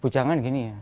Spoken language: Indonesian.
pujangan gini ya